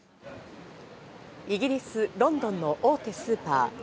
イギリス・ロンドンの大手スーパー。